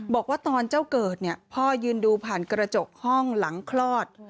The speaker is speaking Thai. บอกว่าตอนเจ้าเกิดเนี่ยพ่อยืนดูผ่านกระจกห้องหลังคลอด